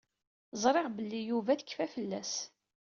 Ẓriɣ belli Yuba tekfa fell-as.